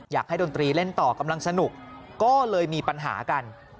ดนตรีเล่นต่อกำลังสนุกก็เลยมีปัญหากัน